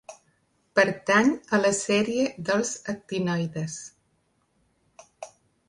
Pertany a la sèrie dels actinoides.